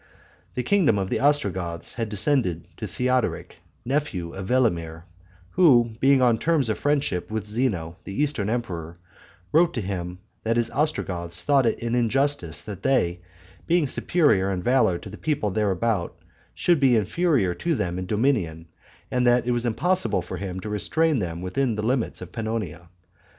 The kingdom of the Ostrogoths had descended to Theodoric, nephew of Velamir, who, being on terms of friendship with Zeno the eastern emperor, wrote to him that his Ostrogoths thought it an injustice that they, being superior in valor to the people thereabout, should be inferior to them in dominion, and that it was impossible for him to restrain them within the limits of Pannonia.